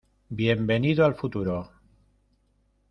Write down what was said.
bienvenido al futuro.